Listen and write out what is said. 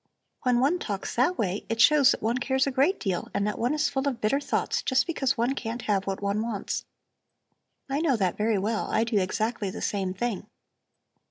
"When one talks that way it shows that one cares a great deal and that one is full of bitter thoughts, just because one can't have what one wants. I know that very well; I do exactly the same thing."